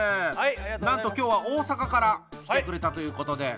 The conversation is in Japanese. なんと今日は大阪から来てくれたということで。